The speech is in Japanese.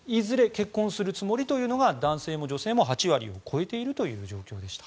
結婚するつもりというのが男性も女性も８割を超えている状況でした。